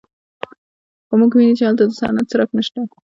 خو موږ ویني چې هلته د صنعت څرک نشته